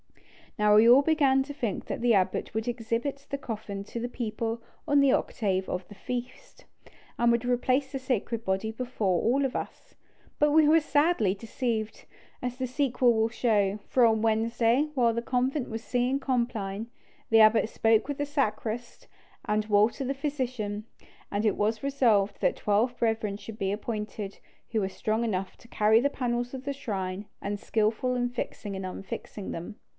Now we all began to think that the abbot would exhibit the coffin to the people on the octave of the feast, and would replace the sacred body before all of us. But we were sadly deceived, as the sequel will show; for on Wednesday, while the convent was singing compline, the abbot spoke with the sacrist and Walter the physician, and it was resolved that twelve brethren should be appointed who were strong enough to carry the panels of the shrine, and skilful in fixing and unfixing them.